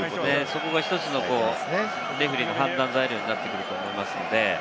それが１つのレフェリーの判断材料になってくると思います。